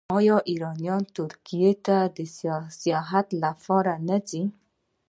آیا ایرانیان ترکیې ته د سیاحت لپاره نه ځي؟